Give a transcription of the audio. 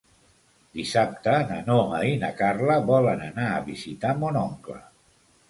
Dissabte na Noa i na Carla volen anar a visitar mon oncle.